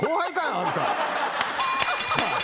あんた。